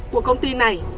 của công ty này